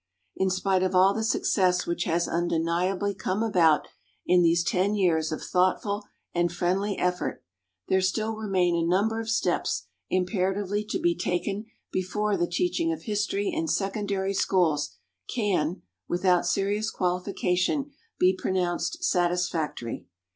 In spite of all the success which has undeniably come about in these ten years of thoughtful and friendly effort, there still remain a number of steps imperatively to be taken before the teaching of history in secondary schools can, without serious qualification, be pronounced satisfactory.